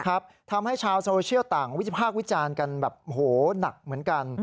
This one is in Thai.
ครับทำให้ชาวโซเชียลต่างวิจิภาควิจารณ์กันแบบโอ้โหหนักเหมือนกัน